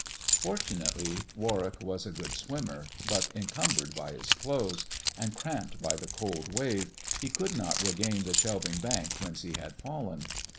Fortunately Warwick was a good swimmer, but encum bered by his clothes, and cramped by the cold wave, he could not regain the shelving bank whence he had fallen.